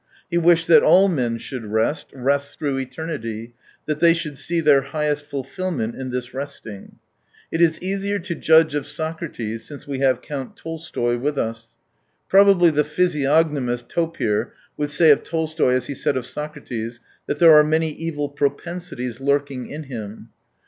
He wished that all men should rest, rest through eternity, that they should see their highest fulfilment in this resting. It is. easier to judge of Socrates since we have Count Tolstoy with us. Probably the physi ognomist Topir would say of Tolstoy as he said of Socrates, that there are many evil propensities lurking in him.